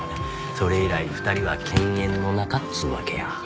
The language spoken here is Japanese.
それ以来２人は犬猿の仲っつうわけや。